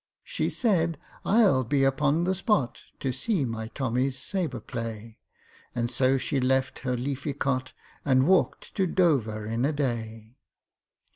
She said, "I'll be upon the spot To see my TOMMY'S sabre play;" And so she left her leafy cot, And walked to Dover in a day.